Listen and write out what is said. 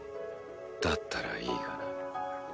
だったらいいがな。